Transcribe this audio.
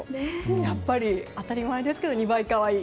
やっぱり、当たり前ですけど２倍可愛い。